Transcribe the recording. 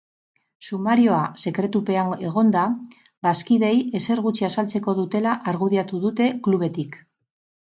Sumarioa sekretupean egonda, bazkideei ezer gutxi azaltzeko dutela argudiatu dute klubetik.